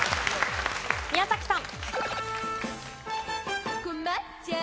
宮崎さん。